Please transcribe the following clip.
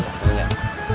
boleh boleh boleh